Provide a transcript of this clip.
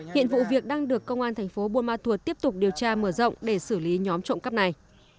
hiện vụ việc đang được công an thành phố buôn ma thuột tiếp tục điều tra mở rộng để xử lý nhóm trộm cắp này